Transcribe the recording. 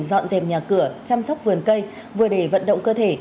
dọn dẹp nhà cửa chăm sóc vườn cây vừa để vận động cơ thể